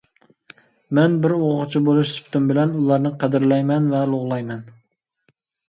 مەن بىر ئوقۇغۇچى بولۇش سۈپىتىم بىلەن ئۇلارنى قەدىرلەيمەن، ئۇلۇغلايمەن.